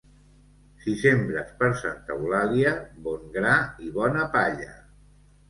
Si sembres per Santa Eulàlia, bon gra i bona palla.